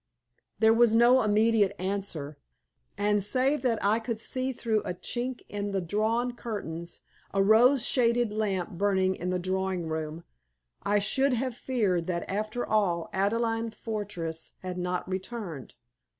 There was no immediate answer, and save that I could see through a chink in the drawn curtains a rose shaded lamp burning in the drawing room, I should have feared that after all Adelaide Fortress had not returned.